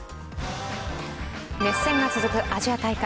熱戦が続くアジア大会。